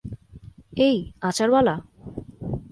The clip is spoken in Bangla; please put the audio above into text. এই, আচারওয়ালা।